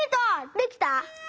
できた？